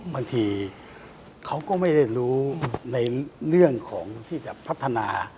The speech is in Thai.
บางทีเขาก็ไม่ได้รู้ในเรื่องของที่จะพัฒนา